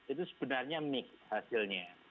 itu sebenarnya mik hasilnya